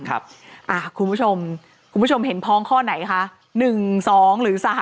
คุณผู้ชมเห็นพ้องข้อไหนคะ๑๒หรือ๓